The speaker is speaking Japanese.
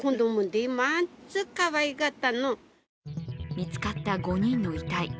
見つかった５人の遺体。